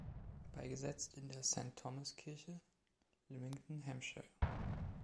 Beigesetzt in der St.-Thomas-Kirche, Lymington, Hampshire.